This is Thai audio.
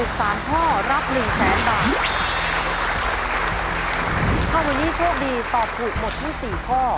ถ้าวันนี้โชคดีตอบถูกหมดทั้งสี่ข้อ